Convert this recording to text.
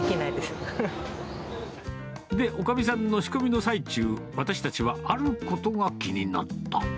で、おかみさんの仕込みの最中、私たちはあることが気になった。